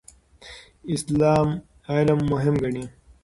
اسلام علم مهم ګڼي.